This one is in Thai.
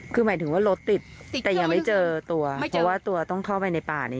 คือหมายถึงว่ารถติดแต่ยังไม่เจอตัวเพราะว่าตัวต้องเข้าไปในป่านี้